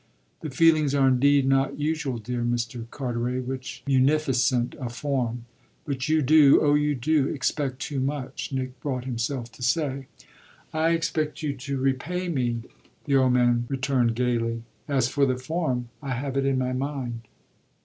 "The feelings are indeed not usual, dear Mr. Carteret, which take so munificent a form. But you do oh you do expect too much," Nick brought himself to say. "I expect you to repay me!" the old man returned gaily. "As for the form, I have it in my mind."